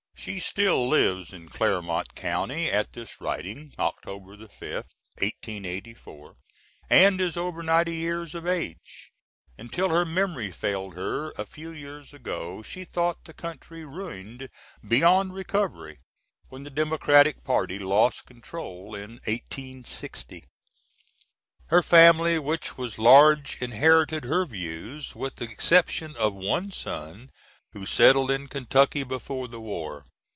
She still lives in Clermont County at this writing, October 5th, 1884, and is over ninety years of age. Until her memory failed her, a few years ago, she thought the country ruined beyond recovery when the Democratic party lost control in 1860. Her family, which was large, inherited her views, with the exception of one son who settled in Kentucky before the war.